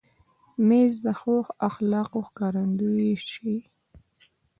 مېز د ښو اخلاقو ښکارندوی شي.